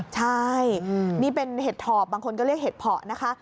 ใช่นี่เป็นเห็ดถอบบางคนก็เรียกเห็ดเพาะนะคะ